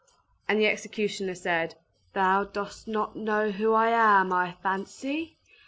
And the executioner said, "Thou dost not know who I am, I fancy?